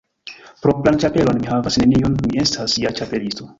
Propran ĉapelon mi havas neniun. Mi estas ja Ĉapelisto.